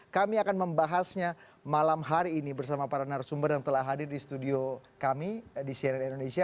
kami akan membahasnya malam hari ini bersama para narasumber yang telah hadir di studio kami di cnn indonesia